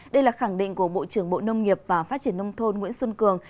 đây là khẳng định của bộ trưởng bộ nông nghiệp và phát triển nông thôn nguyễn xuân cường